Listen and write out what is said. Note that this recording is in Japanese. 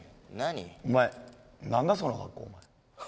お前何だその格好。